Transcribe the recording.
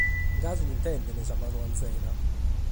Gasi l’intendent, sa manu anzena!